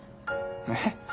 えっ？